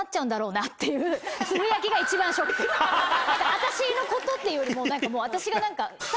私のことっていうよりも私が何か。